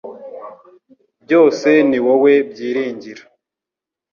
Byose ni wowe byiringira